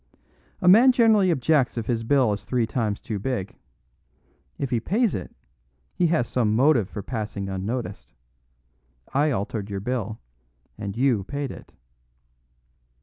A man generally objects if his bill is three times too big. If he pays it, he has some motive for passing unnoticed. I altered your bill, and you paid it."